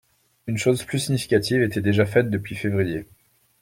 Une chose plus significative était déjà faite depuis février.